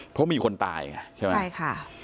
เพราะมีคนตายไงใช่ไหมใช่ค่ะ